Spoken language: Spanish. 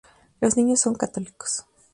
Los Niños son católicos.